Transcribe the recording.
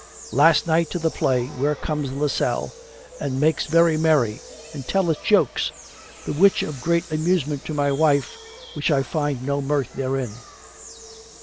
Last night to the Play where comes Lasselle and makes very merry and telleth jokes the which of great amusement to my wife while I find no mirth therein.